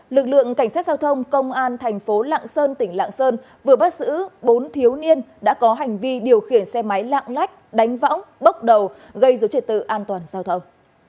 lực lượng cảnh sát giao thông công an thành phố lạng sơn tỉnh lạng sơn vừa bắt giữ bốn thiếu niên đã có hành vi điều khiển xe máy lạng lách đánh võng bốc đầu gây dối trật tự an toàn giao thông